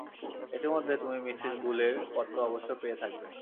ইতোমধ্যে তুমি মিসেস বুলের পত্র অবশ্য পেয়ে থাকবে।